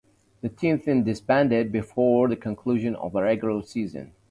The team then disbanded before the conclusion of the regular season.